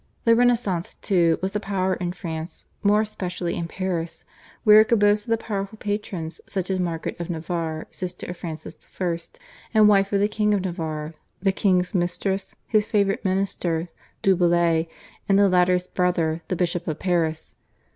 The Renaissance, too, was a power in France, more especially in Paris, where it could boast of powerful patrons such as Margaret of Navarre, sister of Francis I. and wife of the King of Navarre, the king's mistress, his favourite minister Du Bellay, and the latter's brother, the Bishop of Paris.